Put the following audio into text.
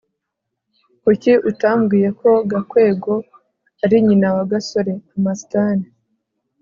kuki utambwiye ko gakwego yari nyina wa gasore? (amastan